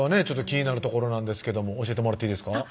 気になるところなんですけども教えてもらっていいですか？